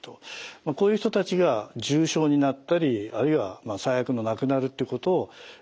こういう人たちが重症になったりあるいは最悪の亡くなるっていうことを防ぐ。